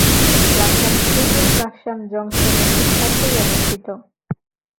Laksam stadium Laksam junction এর খুব কাছেই অবস্থিত।